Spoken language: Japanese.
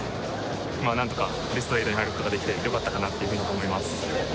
まあ何とかベスト８に入ることができてよかったかなっていうふうに思います